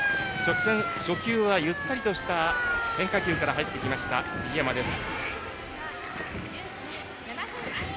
初球はゆったりとした変化球から入ってきた杉山です。